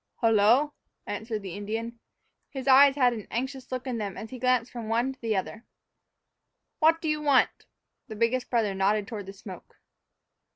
"Hullo," answered the Indian. His eyes had an anxious look in them as he glanced from one to the other. "What you want?" The biggest brother nodded toward the smoke.